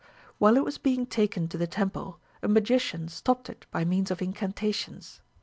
While it was being taken to the temple, a magician stopped it by means of incantations.